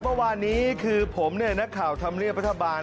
เมื่อวานนี้คือผมเนี่ยนักข่าวธรรมเนียบรัฐบาล